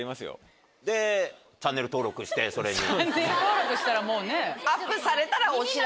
チャンネル登録したらもうねぇ。